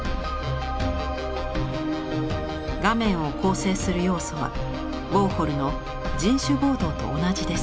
画面を構成する要素はウォーホルの「人種暴動」と同じです。